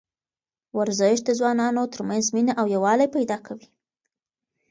ورزش د ځوانانو ترمنځ مینه او یووالی پیدا کوي.